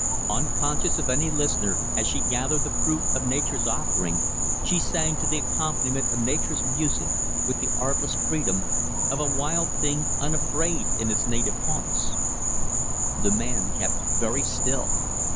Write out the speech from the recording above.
Unconscious of any listener, as she gathered the fruit of Nature's offering, she sang to the accompaniment of Nature's music, with the artless freedom of a wild thing unafraid in its native haunts. The man kept very still.